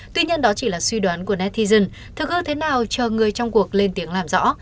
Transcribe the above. tuy nhiên đó chỉ là suy đoán của nathizon thực hư thế nào chờ người trong cuộc lên tiếng làm rõ